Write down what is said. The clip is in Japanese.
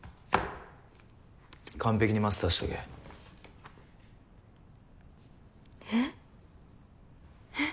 完璧にマスターしとけ。えっ？えっ？